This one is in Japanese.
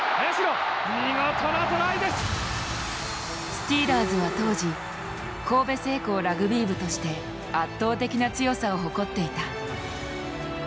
スティーラーズは当時神戸製鋼ラグビー部として圧倒的な強さを誇っていた。